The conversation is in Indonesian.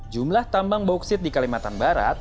jumlah tambang bauksit di kalimantan barat